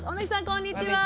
こんにちは！